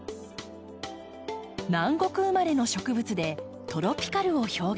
南国生まれの植物でトロピカルを表現。